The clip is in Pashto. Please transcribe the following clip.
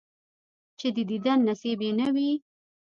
چې د دیدن نصیب یې نه وي،